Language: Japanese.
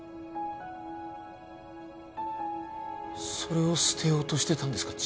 それを捨てようとしてたんですか？